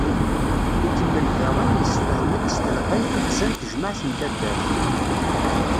Ikemmel daɣen, yessefhem-d s telqay tuddsa n tejmeɛt n taddart.